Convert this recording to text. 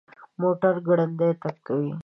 موټر ګړندی تګ کوي